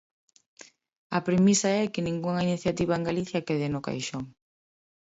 A premisa é que ningunha iniciativa en Galicia quede no caixón.